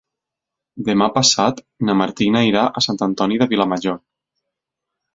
Demà passat na Martina irà a Sant Antoni de Vilamajor.